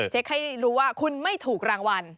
ให้รู้ว่าคุณไม่ถูกรางวัล